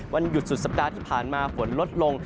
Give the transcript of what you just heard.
วันหยุดสุดสัปดาห์ที่ผ่านมาฝนลดลง